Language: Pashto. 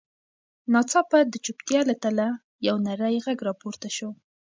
ناڅاپه د چوپتیا له تله یو نرۍ غږ راپورته شو.